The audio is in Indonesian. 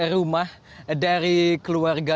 rumah dari keluarga